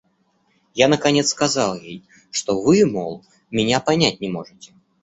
Я наконец сказал ей, что вы, мол, меня понять не можете.